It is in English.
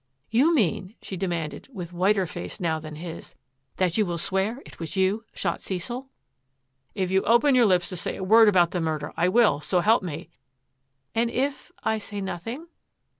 " You mean," she demanded, with whiter face now than his, " that you will swear it was you shot Cecil? "" If you open your lips to say a word about the murder, I will, so help me !"" And if — I say nothing?